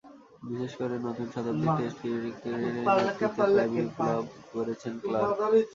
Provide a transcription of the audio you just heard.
বিশেষ করে নতুন শতাব্দীর টেস্ট ক্রিকেটে নেতৃত্বে প্রায় বিপ্লব গড়েছেন ক্লার্ক।